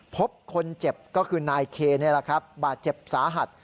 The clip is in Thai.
พบคนเจ็บก็คือนายเคนี่แหละครับบาดเจ็บสาหัส